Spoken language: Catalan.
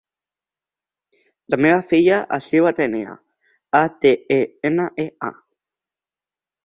La meva filla es diu Atenea: a, te, e, ena, e, a.